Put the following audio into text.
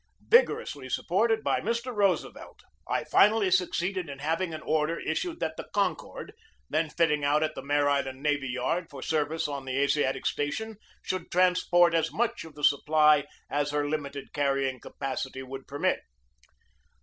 Vigor ously supported by Mr. Roosevelt, I finally sue COMMAND OF ASIATIC SQUADRON 171 ceeded in having an order issued that the Concord, then fitting out at the Mare Island Navy Yard for service on the Asiatic station, should transport as much of the supply as her limited carrying capacity would permit.